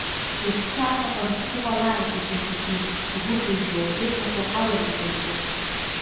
Лыԥсы аҵаҟа рыԥсы ҟалааит, – иҳәеит егьи, игәы ԥыжәжәо, ирҭаху ҳаларыгӡоит урҭ!